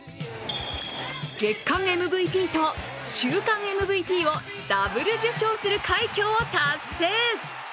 月間ＭＶＰと週間ＭＶＰをダブル受賞する快挙を達成。